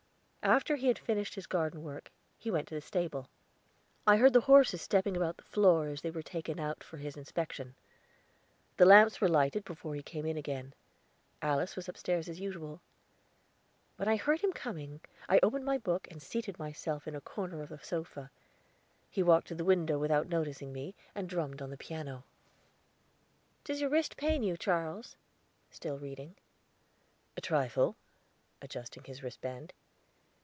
After he had finished his garden work he went to the stable; I heard the horses stepping about the floor as they were taken out for his inspection. The lamps were lighted before he came in again; Alice was upstairs as usual. When I heard him coming, I opened my book, and seated myself in a corner of a sofa; he walked to the window without noticing me, and drummed on the piano. "Does your wrist pain you, Charles?" still reading. "A trifle," adjusting his wristband.